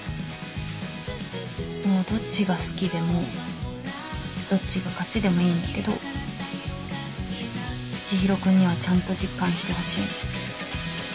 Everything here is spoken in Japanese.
もうどっちが好きでもどっちが勝ちでもいいんだけど知博君にはちゃんと実感してほしい。